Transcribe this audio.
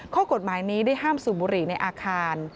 ข้อกฎหมายนี้ได้ห้ามสูบบุหรี่ในอาคาร